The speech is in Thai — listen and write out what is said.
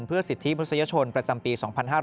เพื่อสิทธิมนุษยชนประจำปี๒๕๕๙